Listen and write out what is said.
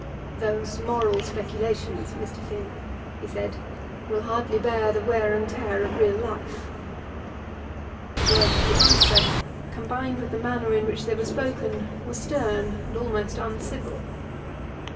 "Those moral speculations, Mr. Finn," he said, "will hardly bear the wear and tear of real life." The words of the answer, combined with the manner in which they were spoken, were stern and almost uncivil.